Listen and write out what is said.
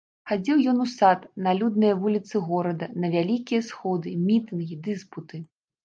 Хадзіў ён у сад, на людныя вуліцы горада, на вялікія сходы, мітынгі, дыспуты.